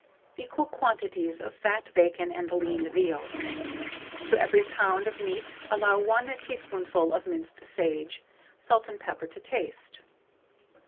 Equal quantities of fat bacon and lean veal; to every lb. of meat, allow 1 teaspoonful of minced sage, salt and pepper to taste.